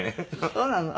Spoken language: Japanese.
そうなの？